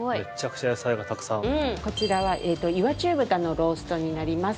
こちらは岩中豚のローストになります。